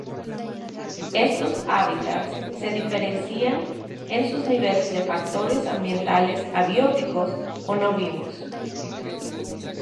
Estos hábitats se diferencian en sus niveles de factores ambientales abióticos, o no vivos.